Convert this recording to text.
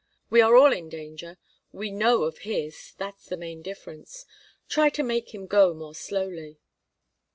We are all in danger; we know of his that's the main difference. Try to make him go more slowly."